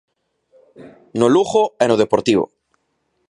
No Lugo e no Deportivo.